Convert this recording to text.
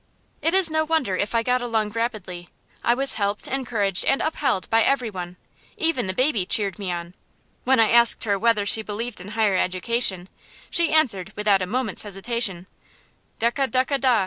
It is no wonder if I got along rapidly: I was helped, encouraged, and upheld by every one. Even the baby cheered me on. When I asked her whether she believed in higher education, she answered, without a moment's hesitation, "Ducka ducka da!"